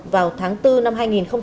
vào tháng bốn năm hai nghìn một mươi bốn